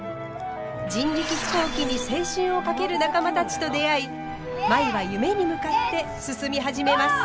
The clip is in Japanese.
人力飛行機に青春を懸ける仲間たちと出会い舞は夢に向かって進み始めます。